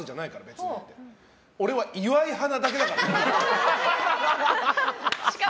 俺は岩井派なだけだからねって。